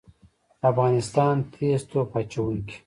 د افغانستان تیز توپ اچوونکي